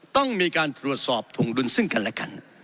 ต้องมีการตรวจสอบถงดุลซึ่งกันและกัน